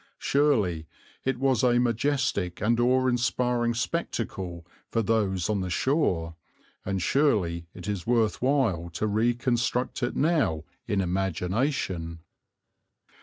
Surely it was a majestic and awe inspiring spectacle for those on the shore, and surely it is worth while to reconstruct it now in imagination.